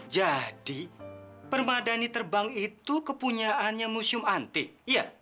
jadi permadani terbang itu kepunyaannya museum antik iya